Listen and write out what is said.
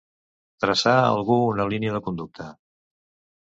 Traçar a algú una línia de conducta.